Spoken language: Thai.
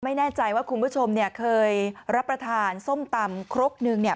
ไม่แน่ใจว่าคุณผู้ชมเนี่ยเคยรับประทานส้มตำครกนึงเนี่ย